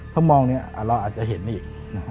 ถ้ามองเนี่ยเราอาจจะเห็นอีก